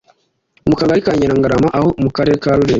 mu kagari ka Nyirangarama ho mu karere ka Rulindo